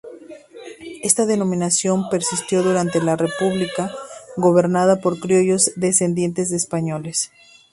Esta denominación persistió durante la República gobernada por criollos descendientes de españoles.